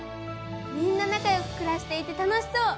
みんな仲よく暮らしていて楽しそう！